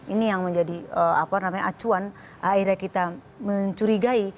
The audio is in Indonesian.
ini yang menjadi acuan akhirnya kita mencurigai